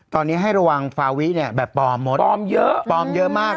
ตอนนี้ให้ระวังฟาวิเนี่ยแบบปลอมหมดปลอมเยอะปลอมเยอะมาก